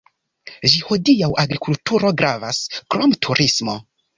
Ĝis hodiaŭ agrikulturo gravas, krom turismo.